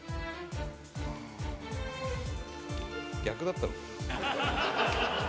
逆だったの？